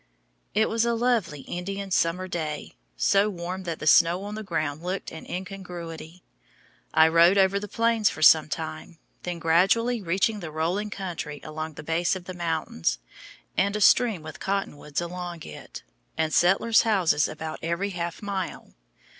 It was a lovely Indian summer day, so warm that the snow on the ground looked an incongruity. I rode over the Plains for some time, then gradually reached the rolling country along the base of the mountains, and a stream with cottonwoods along it, and settlers' houses about every halfmile.